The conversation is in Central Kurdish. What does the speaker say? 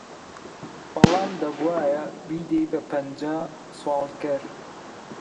بەڵام دەبوایە بیدەی بە پەنجا سواڵکەر!